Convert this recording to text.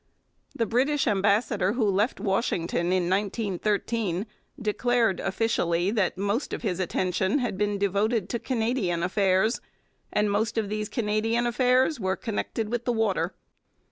The British ambassador who left Washington in 1913 declared officially that most of his attention had been devoted to Canadian affairs; and most of these Canadian affairs were connected with the water.